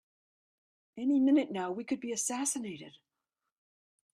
Any minute now we could be assassinated!